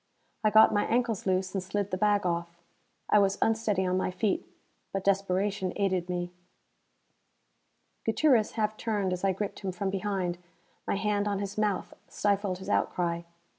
I got my ankles loose and slid the bag off. I was unsteady on my feet, but desperation aided me. Gutierrez half turned as I gripped him from behind. My hand on his mouth stifled his outcry.